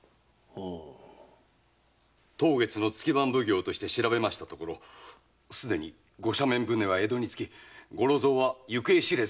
当月の月番奉行として調べましたところ既にご赦免船は江戸に着き五六蔵は行方知れずとなっております。